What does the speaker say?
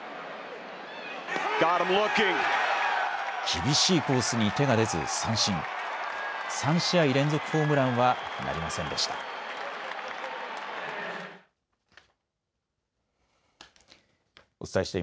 厳しいコースに手が出ず三振、３試合連続ホームランはなりませんでした。